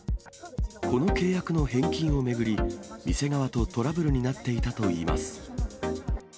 この契約の返金を巡り、店側とトラブルになっていたといいます。